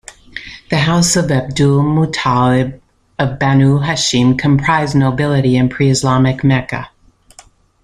The House of Abdul-Muttalib of Banu Hashim comprised nobility in pre-Islamic Mecca.